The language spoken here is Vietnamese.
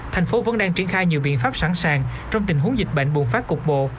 thành phố vẫn đang triển khai nhiều biện pháp sẵn sàng trong tình huống dịch bệnh bùng phát cục bộ